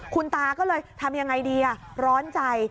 คุณตาก็เลยทำยังไงดีร้อนใจ